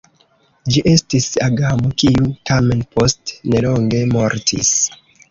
Ĝi estis agamo, kiu tamen post nelonge mortis.